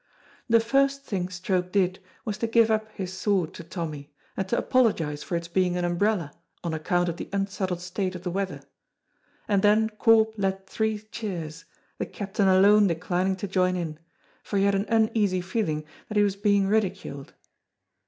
The first thing Stroke did was to give up his sword to Tommy and to apologize for its being an umbrella on account of the unsettled state of the weather, and then Corp led three cheers, the captain alone declining to join in, for he had an uneasy feeling that he was being ridiculed.